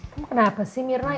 kamu kenapa sih mirna